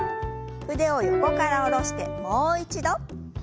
腕を横から下ろしてもう一度。